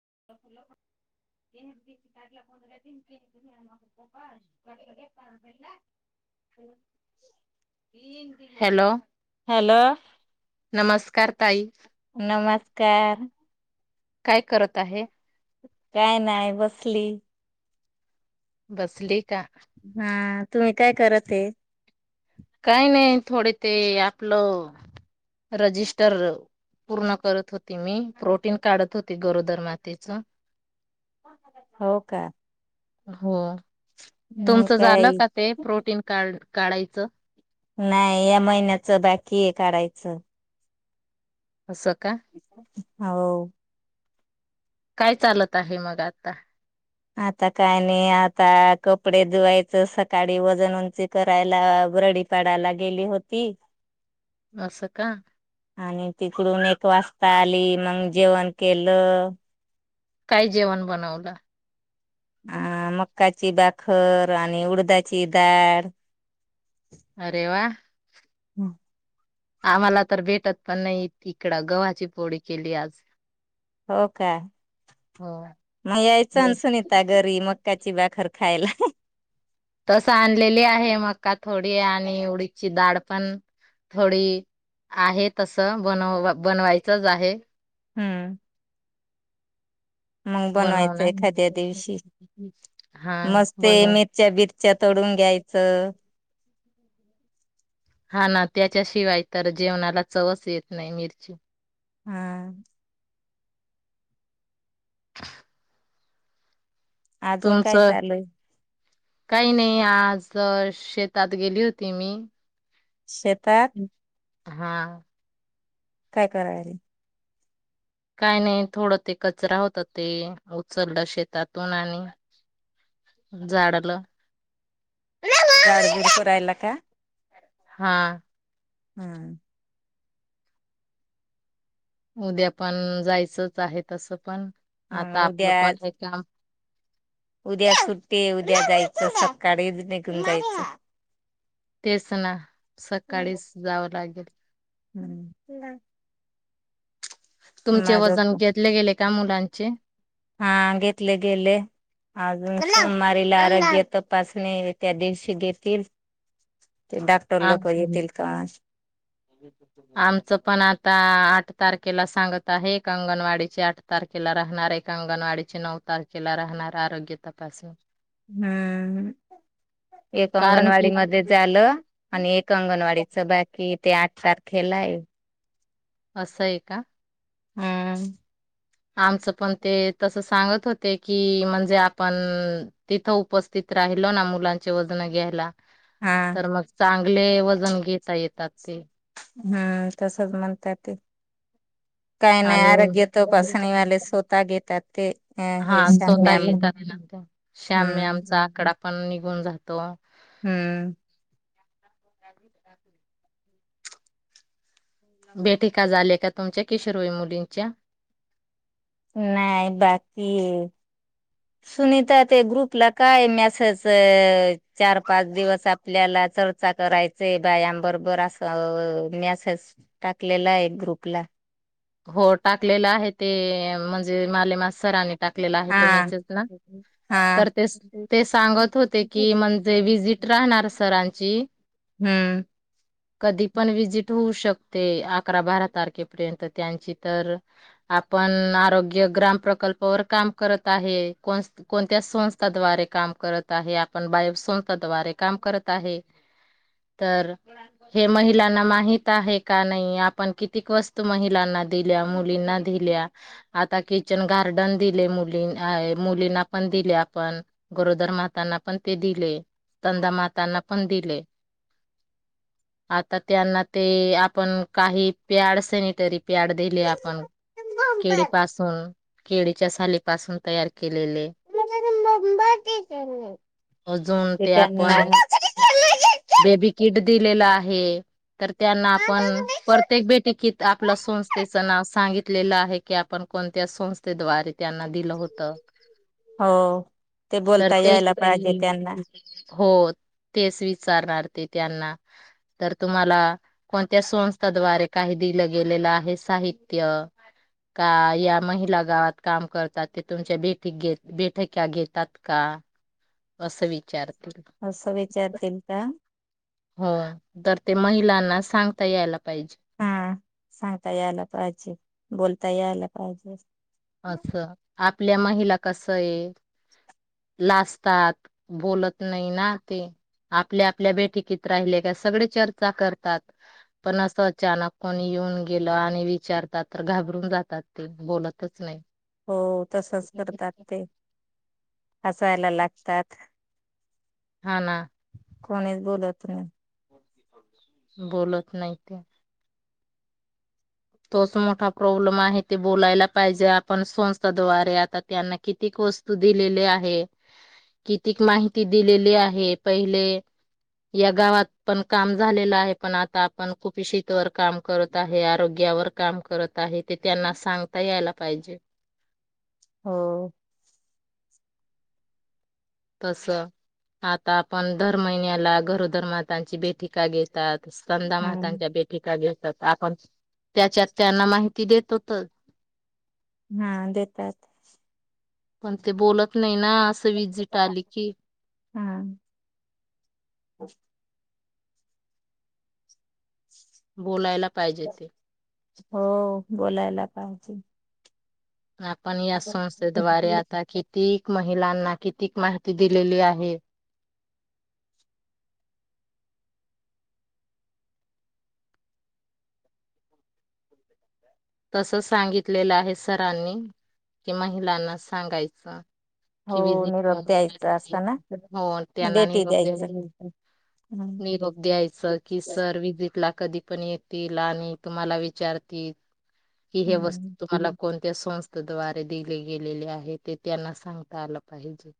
[inaudible] [unintelligible] Hello. Hello. नमस्कार ताई. नमस्कार. काय करत आहे. काय नाय बसली. बसले. हाआआ तुम्ही काय करतयेत. काही नाही थोडे ते आपलं रजिस्टर पूर्ण करत होती मी प्रोटीन काढत होती गरोदर मातेच. हो का? हो मी तुमचं झालं काही का ते प्रोटीन कार्ड? काढायच नाही या महिन्याच बाकी आहे काढायच असं का [inaudible] हो काय चालत आहे मग आता. आता काय नाय आता कपडे धुवायच सकाळी वजन उंची करायला बरडी पाडायला गेली होती अस का? आणि तिकडून एक वाजता आली मग जेवण केल काय जेवण बनवल? अं मक्काची डाखर आणि उडदाची डाळ अरे व्वा! [inaudible] आम्हाला तर भेटत पण नाही इकडं गव्हाची पोळी केली आज हो काय हो म यायच ना सुनीता घरी मग काय ची बाखर खायला. तस आणलेली आहे मक्का थोडी आणि उडीदची डाळ पण थोडी आहे तस बनव बनवायचच आहे. हूं मग बनवायचं बनवणार एखाद्या दिवशी हा मस्त बनवू मिरच्या बिरच्या तडून घ्याय च हा ना त्याच्याशिवाय तर जेवणाला चवच येत नाय मिरची हा अजून काय तुमचं चालूय काही नाही आज शेतात गेली होती मी शेतात हा काय कराय रे काय नाही थोडं ते कचरा होत ते उचललं शेतातून आणि जाडलं [unintelligible] रायला का? हा हम्म उद्या पण जायचंच आहे तस पण आता मग आपलं उद्या पण हे काम उद्या सुट्टी उद्या जायचं सकाळी निघून जायचं. तेच ना सकाळीच जावं लागेल. हूं तुमचे वजन घेतले गेले. का मुलांचे हा घेतले गेले अजून सोमवारीला आरोग्य तपासणी त्या दिवशी देतील. आमच बी आमचं पण आता आठ तारखेला सांगत आता हे एक अंगणवाडीचे आठ तारखेला राहणार एक अंगणवाडीचे नऊ तारखेला राहणार आरोग्य तपासून हूं एक कारण अंगणवाडी की मध्ये झालं आणि एक अंगणवाडीच बाकी ते आठ तारखेलाय असंय का? हम्म आमचं पण ते तस सांगत होते की म्हणजे आपण तिथं उपस्थित राहिलो ना मुलांचे वजन घ्यायला. हा तर मग चांगले वजन घेता येतात. ते हम्म तसच म्हणताय ते काय नाही आणि आरोग्य तपासणीवाले स्वतः घेतात ते अ हा हेश स्वतः मॅम घेतात ना श्याम्य हम् आमचा आकडा पण निघून जातो हम्म ह भेटी का झाल्या का तुमच्या किशोरवई मुलींच्या नाही बाकी सुनीता ते ग्रुपला काय मेसेज चार पाच दिवस आपल्याला चर्चा करायचय बायांबरोबर असं मेसेज टाकलेला आहे ग्रुपला हो टाकलेलं आहे ते म्हणजे माले मा सरानी टाकलेला आहे तो हा मेसेज ना हा. तर ते सांगत होते की म्हणजे विजिट राहणार सरांची हम्म. कधी पण विजिट होऊ शकते अकरा बारा तारखेपर्यंत त्यांची तर आपण आरोग्य ग्राम प्रकल्पावर काम करत आहे कोणत्या संस्थाद्वारे काम करत आहे आपण बाय संस्थाद्वारे काम करत आहे तर हे महिलांना माहित आहे का नाही आपण कितीक वस्तू महि मुलांना दिल्या मुलीना दिल्या आता किचन गार्डन दिले मुली मुलींना पण दिले आपण गरोदर माताना पण ते दिलें मातना पण दिले आ त्यांना ते आपण काही पॅड सॅनिटरी प्याड दिली आपण केळी पासून केळीच्या साली पासून तयार अजून ते आपण बेबी किट दिलेला आहे तर त्यांना आपण प्रत्येक बैठकीत की आपलं संस्थेच नाव सांगितले आहे क आपण कोणत्या संस्थेवारे त्यांना दिलं होत हो. ते तर बोलता ते यायला पाहिजे त्यांना हो तेच विचारणार ते त्यांना तर तुम्हाला कोणत्या संस्थाद्वारे काही दिलं गेलेलं आहे हे साहित्य का या महिला गावात काम करतात ते तुमच्या ब बैठक्या घेतात का असं विचार असं विचारतील का हो तर ते महिलांना सांगता यायला पाहिजे हा सांगता यायला पाहिजे बोलता यायला पाहिजे असं आपल्या महिला कस आहे लाजतात बोलत नाही ना ते आपल्या आपल्या बैठकीत राहिले का सगळे चर्चा करतात पण अस अचानक कोणी येऊन गेलं आणि विचारतात तर घाबरून जातात ते बोलत च नाही हो तसच करतात ते हसायला लागतात हा ना कोणीच बोलत नाहीत बोलत नाहीय ते तोच मोठा प्रॉब्लेम आहे ते बोलायला पाहिजे आपण संस्थाद्वारे आता त्यांना कितीक वस्तू दिलेली आहे कितीक माहिती दिलेली आहे पहिले या गावात पण काम झालेलं आहे पण आता आपण कुपी शीतवर काम करत आहे आरोग्य यावर काम करत आहे ते त्यांना सांगता यायला पाहिजे हो तस आता आपण दर महिन्याला गरोधर्मातांची बेठिका घेतात संंदा हम्म महातांच्या भेटी का घेतात आपण त्याच्यात त्यांना माहिती देत होतच हा देतात पण ते बोलत नाही ना असं विजिट आली की हम् बोलायला पाहिजे ते हो बोलायला पाहिजे. आपण या संस्थे द्वारे आता कीती? महिलांना कितीक माहिती दिलेली आहे. तस सांगितलेलं आहे सरांनी की महिलांना सांगायचं? हो कि निरोप द्यायचा असता ना त्यांना बेटी निरोप्या द्यायचं. हम्म निरोप द्यायच की सर विजिट ला कधी पण येतील आणि तुम्हाला विचारतील. कि हे वस्तू तुम्हाला कोण त्या संस्थेद्वारे दिले गेलेले आहे. ते त्यांना सांगता आलं पाहिजे.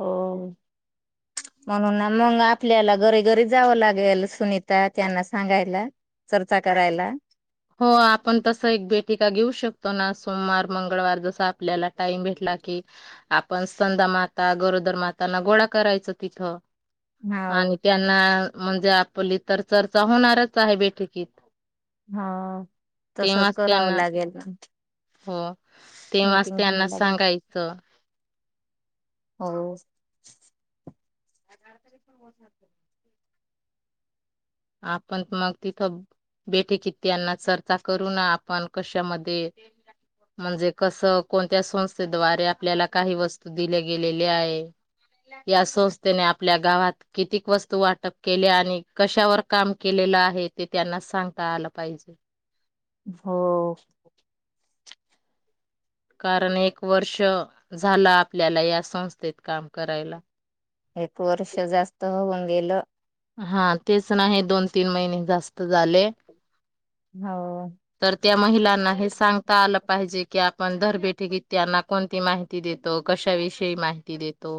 हो. म्हणून ना मग आपल्याला घरी घरी जावं लागेल. सुनीता त्यांना सांगायला चर्चा करायला. हो आपण तस एक भेटी का घेऊ शकतो ना सोमवार मंगळवार जस आपल्याला टाइम भेटला की आपण संंदा माता गरोदर माताना गोळा करायच तिथं हाव आणि त्यांना म्हणजे आपली तर चर्चा होणारच आहे बैठकीत. हा तसच तेव्हाच करावं त्यांना लागेल म. हो तेव्हाच त्यांना घ्यावं लागेल सांगायचं? हो. ठ तारीख पण हो [unintelligible] आपण मग तिथं बैठकीत त्यांना चर्चा करू. ना आपण कशामध्ये म्हणजे कस कोणत्या संस्थेद्वारे आपल्याला काही वस्तू दिल्या गेलेल्या आहे. या संस्थेने आपल्या गावात कितीक वस्तू वाटप केल्या. आणि कशावर काम केलेलं आहे ते त्यांना सांगता आलं पाहिजे. हो. कारण एक वर्ष झालं आपल्याला या संस्थेत काम करायला. एक वर्ष जास्त होऊन गेलं. हा तेच हे दोन तीन महिने जास्त झाले. हो. तर त्या महिलांना हे सांगता आलं पाहिजे. की आपण दरबेठेकीत त्यांना कोणती माहिती देतो. कशाविषयी माहिती देतो.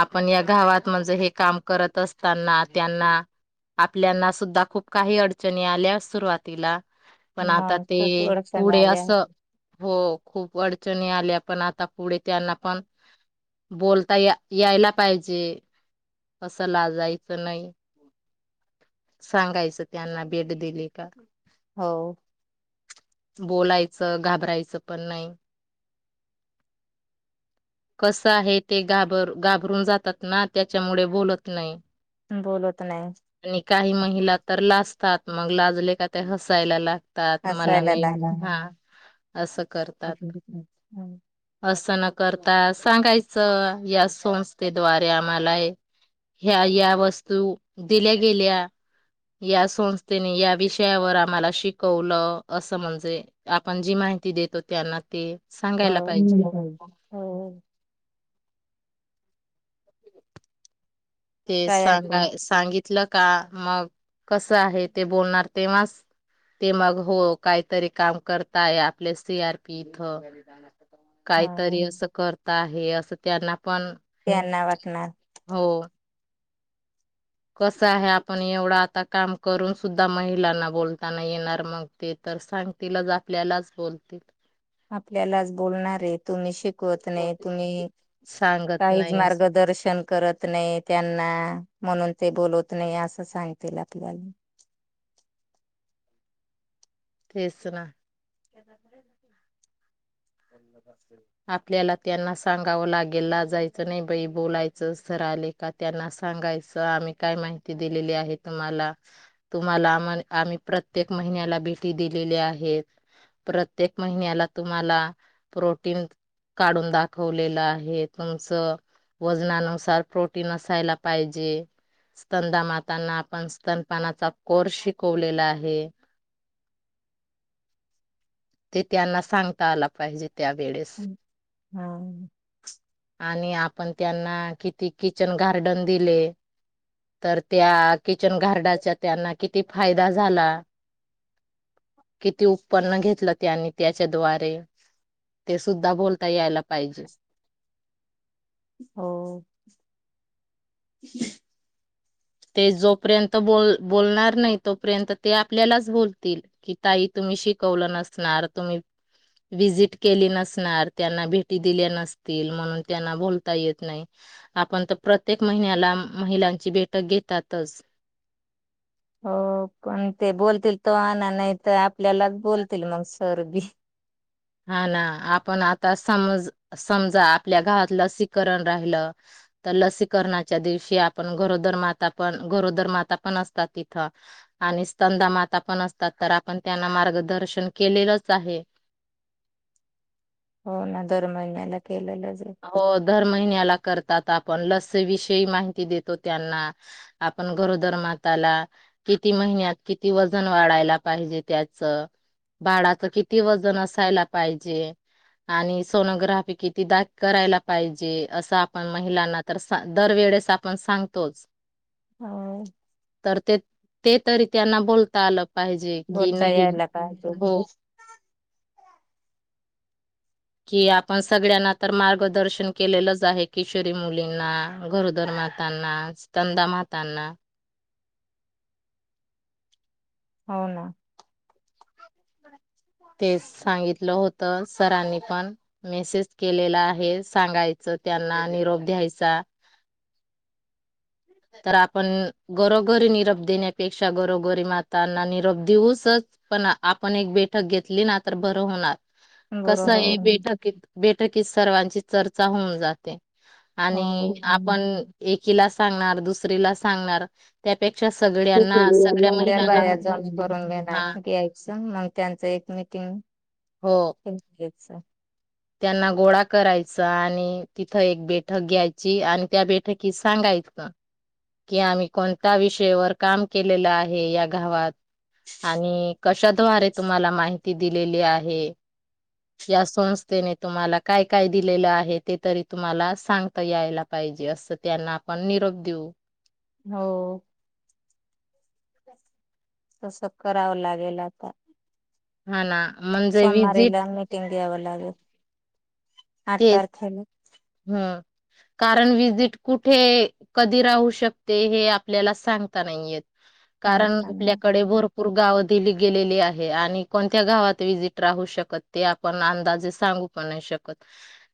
आपण या गावात म्हणजे हे काम करत असताना त्यांना आपल्याना सुद्धा खूप काही अडचणी आल्या सुरुवातीला. पण आता मग ते खूप अडचणी पुढे आल्या असं हो खूप अडचणी आल्या. पण आता पुढे त्यांना पण बोलता यायायला पाहिजे. असं लाजायचं नाही सांगायचं त्यांना भेट दिली का. हो. बोलायचं घाबरायचं पण नाही कसं आहे ते घाबर घाबरून जातात ना त्याच्यामुळे बोलत नाही. बोलत नाही. आणि काही महिला तर लाजतात मग लाजले का ते हसत जायलाला [unintelligible] त्यात मला हसायला नाही लागले. हा असं करतात अस करता सांगायच या संस्थेद्वारे आम्हाला ह्या ह्या वस्तू दिल्या गेल्या या संस्थेने या विषयावर आम्हाला शिकवलं असं म्हणजे आपण जी माहिती देतो त्यांना ते हा सांगायला पाहिजे ह. ते सांगा तयातून सांगितलं का मग कस आहे ते बोलणार तेव्हाच ते मग हो काहीतरी काम करताय आपल्या सी आरपी इथ काहीतरी असं करता आहे. हे असं त्यांना पण. तेना वाटणार. हो कसं आहे. आपण एवढं आता काम करून सुद्धा महिलांना बोलताना येणार, मग ते तर सांगतीलच आपल्यालाच बोलतील. आपल्यालाच बोलणारे तुम्ही शिकवत नाही, तुम्ही सांगत काहीच नाही अस मार्गदर्शन करत नाही, त्यांना. म्हणून ते बोलवत नाही, असं सांगतील आपल्याला. तेच ना आपल्याला त्यांना सांगावं लागेल ला जायचं नाही, बाई बोलायचं सर आले का त्यांना सांगायचं आम्ही काय माहिती दिलेली आहे. तुम्हाला तुम्हाला आम आम्ही प्रत्येक महिन्याला भि दिलेली आहे. प्रत्येक महिन्याला तुम्हाला प्रोटीन काढून दाखवलेलं आहे, तुमचं वजनानुसार प्रोटीन असायला पाहिजे, स्तंदा मातांना आपण स्तन पानाचा कोर्स शिकवलेला आहे. ते त्यांना सांगता आला पाहिजे. त्या वेळेस. हा. आणि आपण त्यांना किती किचन गार्डन दिले, तर त्या आ किचन गार्डनच्या त्यांना किती फायदा झाला, किती उत्पन्न घेतलं त्यांनी त्याच्याद्वारे ते सुद्धा बोलता यायला पा पाहिजे. हो. ते जोपर्यंत बोल बोलणार नाही, तोपर्यंत ते आपल्यालाच बोलतील कि, ताई तुम्ही शिकवलं नसणार तुम्ही विजिट केली नसणार, त्यांना भेटी दिल्या नसतील म्हणून त्यांना बोलता येत नाही, आपण तर प्रत्येक महिन्याला महिलांची भेट. ट गेतातच. हो कोण ते बोलतील तवा. नाही तर आप आपल्यालाच बोलतील मग. सर्दी हा ना आपण आता समज समजा आपल्या गावात, लसीकरण राहिलं तर लसीकरणाच्या दिवशी आपण गरोदर माता पण गरोदर माता पण असतात, तिथं आणि स्कंदा माता पण असतात, तर आपण त्यांना मार्गदर्शन केलेलंच आहे. हो ना दर महिन्याला. केलेलंच आहे हो दर महिन्याला. करतात आपण लस विषयी माहिती देतो, त्यांना आपण गरोदर माताला किती महिन्यात, किती वजन वाढायला पाहिजे त्याच बाळाच किती वजन असायला पाहिजे, आणि सोनोग्राफी किती द करायला पाहिजे, असं आपण महिलांना सा तर दरवेळेस आपण सांगतोच. हम तर ते ते तरी त्यांना बोलता आलं पाहिजे कि बोलता नाही यायला पाहिजे हो. कि आपण सगळ्यांना तर मार्गदर्शन केलेलंच आहे. किशोरी मुलींना गरोदर मातांना स्ंदामातांना. हो ना. ते सांगितलं होत, सरांनी पण मेसेज केलेला आहे. सांगायचं त्यांना निरोप द्यायचा. तर आपण घरोघरी निरोप देण्यापेक्षा, घरोघरी मातांना निरोप देऊसच, पण आपण एक बैठक घेतली ना तर बरं होणार. कस बरं हो आहे ना बैठक एक. बैठकीत सर्वांची चर्चा होऊन जाते. हो आणि हम्म. आपण एक. किला सांगणार. दुसरीला सांगणार त्या ड्या बाहेर जाऊन करून घे हा नाही यायचं मग त्यांचं एक मिटिंग हो हम् [unintelligible] सात. त्यांना गोळा करायचा आणि तिथं एक बैठक घ्यायची. आणि त्या बैठकीत सांगायचं कि आम्ही कोणत्या विषयावर काम केलेलं आहे या गावात आणि कशाद्वारे तुम्हाला माहिती ती दिलेली आहे. या संस्थेने तुम्हाला काय काय दिलेलं आहे. ते तरी तुम्हाला सांगता यायला पाहिजे. असं त्यांना आपण निरोप देऊ. हो तस करावं लागेल आता. हा ना म्हणजे विजिट द्यावलागल आठ तेच तारखेल हम्म कारण विजिट कुठे कधी राहू शकते. हे आपल्याला सांगता नाही येत. कारण सांगितलं आपल्याकडे भरपूर गावं दिली गेलेली आहे. आणि कोणत्या गावात विजिट राहू शकत ते आपण अंदाजे सांगू पण नाही शकत.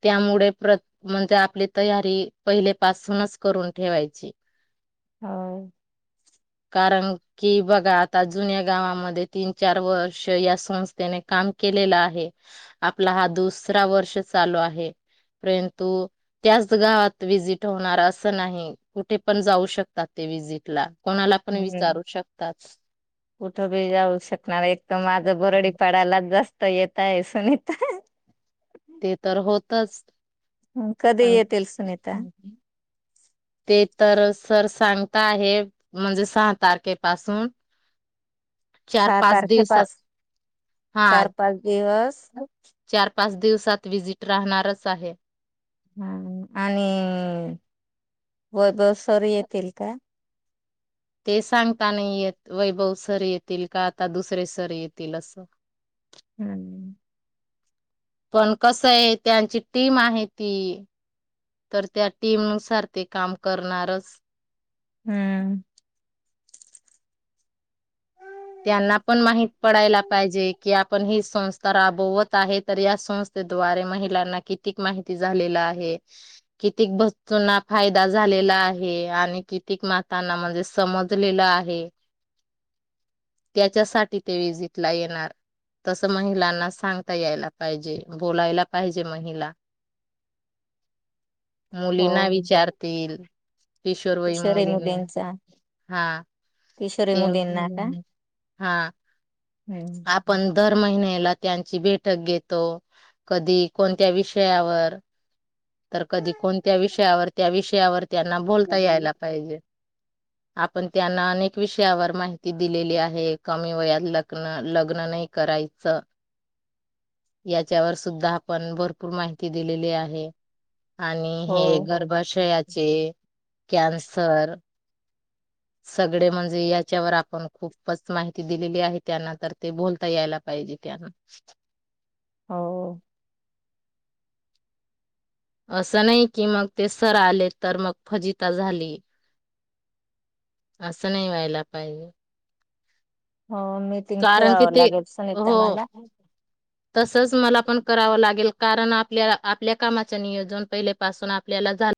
त्यामुळे म्हणजे आपली तयारी पहिले पाासूनच करून ठेवायची. हा. कारण कि बघा आता जुन्या गावामध्ये तीन चार वर्ष या संस्थेने काम केलेलं आहे. आपला हा दुसरा वर्ष चालू आहे. परंतु त्याच गावात विजिट होणार असं नाही. कुठे पण जाऊ शकतात ते विजिट ला. हम्म कुठं बी जाऊ शकणार एक तर माझं बरडीपाडाला जास्त येत काय सुनीता ते तर होतच हम कधी पण येतिल सुनीता. ते तर सर सांगता आहे म्हणजे सहा तारखेपासून चार सहा पाच तारखे दिवसात पाच हा चार पाच दिवस चार पाच दिवसात व्हिजिट राहणारच आहे. हा आणि वैभव सर येतील का? ते सांगता नाही येत वैभव सर येतील का आता दुसरे सर येतील असं. हम्म. पण कसं आहे त्यांची टीम आहे ती तर त्या टीमनुसार ते काम करणारच. हम्म. त्यांना पण माहित पडायला पाहिजे. कि आपण ही संस्था राबवत आहे. तर या संस्थेद्वारे महिलांना कितीक माहिती झालेला आहे. कितीक वस्तूंना फायदा झालेला आहे. आणि कितीक मातांना म्हणजे समजलेलं आहे. त्याच्यासाठी ते विजिटला येणार. तसं महिलांना सांगता यायला पाहिजे बोलायला पाहिजे महिला. हो मुलींना विचारतील किशोरवयीन किशोरी मुलींना मुलींचा हा किशोरी ते मुलींना का? हा. हम्म. आपण दर महिन्याला त्यांची बैठक घेतो. कधी कोणत्या विषयावर तर कधी कोणत्या विषयावर त्या विषयावर त्यांना बोलता यायला पाहिजे. आपण त्यांना अनेक विषयावर माहिती दिलेली आहे कमी वयात लक् लग्न नाही करायचं याच्यावर सुद्धा आपण भरपूर माहिती दिलेली आहे. आणि हो हे गर्भाशयाचे कॅनसर सगळे म्हणजे याच्यावर आपण खूपच माहिती दिलेली आहे त्यांना तर ते बोलता यायला पाहिजे त्यांना हो असं नाही कि मग ते सर आले तर मग फजिता झाली असं नाही व्हायला पाहिजे हो मी तिंग कारण की ठेवावं ते लागेल सनीता हो मला तसच मला पण करावं लागेल कारण आपल्या आपल्या कामाच नियोजन पहिलेपासून आपल्याला झालं